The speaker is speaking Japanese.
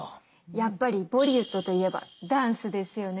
やっぱりボリウッドといえばダンスですよね！